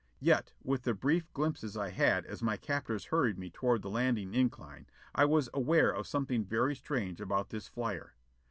Yet, with the brief glimpses I had as my captors hurried me toward the landing incline, I was aware of something very strange about this flyer.